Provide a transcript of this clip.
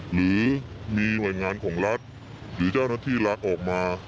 หรือมีวัยงานของรัฐหรือเจ้าหน้าที่รัฐออกมา